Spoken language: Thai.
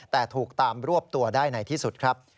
แต่ถูกตามรวบตัวได้ในที่สุดครับ